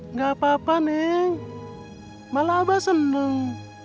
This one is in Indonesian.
enggak apa apa neng malah abah senang